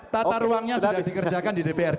lantar ruangnya sudah dikerjakan di dprd